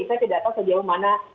saya tidak tahu sejauh mana